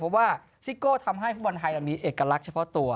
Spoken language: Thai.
เพราะว่าซิโก้ทำให้ฟุตบอลไทยมีเอกลักษณ์เฉพาะตัว